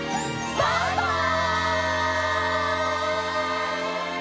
バイバイ！